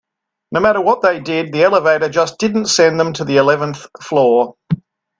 No matter what they did, the elevator just didn't send them to the eleventh floor.